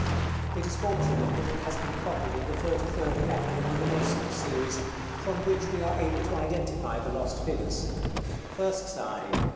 It is fortunate that it has been copied in the thirty third capital of the Renaissance series, from which we are able to identify the lost figures. _First side.